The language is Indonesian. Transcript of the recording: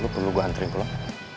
lo perlu gue anterin pulang